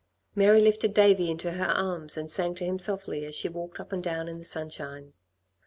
Mary lifted Davey into her arms, and sang to him softly as she walked up and down in the sunshine.